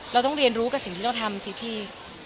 เราต้องเรียนรู้กับสิ่งที่เราทำสิพี่